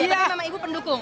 tapi nama ibu pendukung